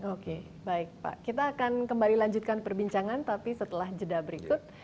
oke baik pak kita akan kembali lanjutkan perbincangan tapi setelah jeda berikut